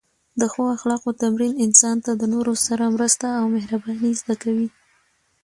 د ښو اخلاقو تمرین انسان ته د نورو سره مرسته او مهرباني زده کوي.